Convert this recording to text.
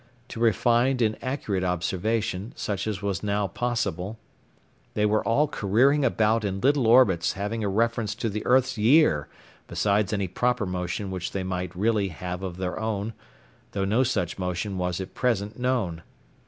To refined and accurate observation, such as was now possible, they were all careering about in little orbits having a reference to the earth's year, besides any proper motion which they might really have of their own, though no such motion was at present known.